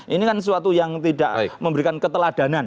ini kan sesuatu yang tidak memberikan keteladanan